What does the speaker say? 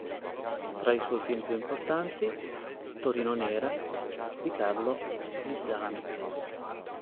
Tra i suoi film più importanti "Torino nera" di Carlo Lizzani.